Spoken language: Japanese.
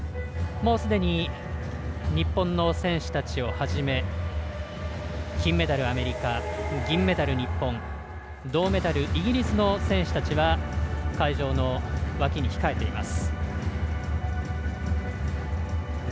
もうすでに日本の選手たちをはじめ金メダル、アメリカ銀メダル、日本銅メダル、イギリスの選手たちは会場の脇に控えています。